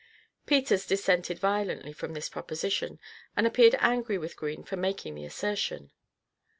Peters dissented violently from this proposition, and appeared angry with Green for making the assertion.